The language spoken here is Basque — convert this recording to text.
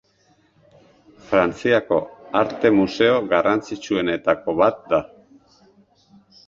Frantziako arte museo garrantzitsuenetako bat da.